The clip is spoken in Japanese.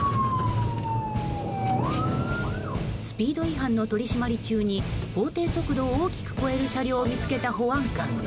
スピード違反の取り締まり中に法定速度を大きく超える車両を見つけた保安官。